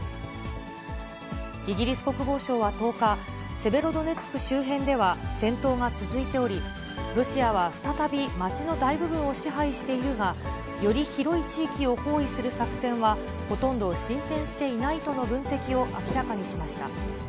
イギリス国防省は１０日、セベロドネツク周辺では、戦闘が続いており、ロシアは再び、街の大部分を支配しているが、より広い地域を包囲する作戦は、ほとんど進展していないとの分析を明らかにしました。